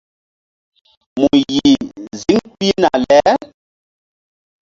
Mu yih ziŋ pihna le.